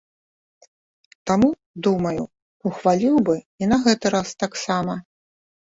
Таму, думаю, ухваліў бы і на гэты раз таксама.